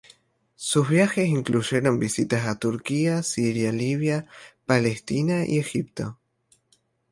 Sus viajes incluyeron visitas a Turquía, Siria, Libia, Palestina y Egipto.